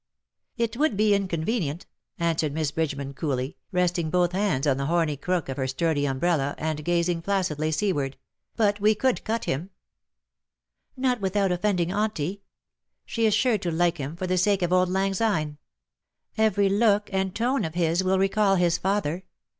'''' It would be inconvenient,^^ answered Miss THE DAYS THAT ARE NO MORE. 29 BridgemaH;, coolly^ resting both liancls on the horny crook of her sturdy umbrella,, and gazing placidly seaward ;" but we could cut him/^ " Not without offending Auntie. She is sure to like him, for the sake of Auld Lang Syne. Every look and tone of his will recall his father.